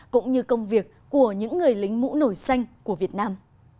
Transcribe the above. cũng như công việc của những người lính mũ nổi xanh của việt nam